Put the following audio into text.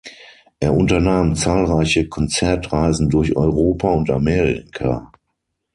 Er unternahm zahlreiche Konzertreisen durch Europa und Amerika.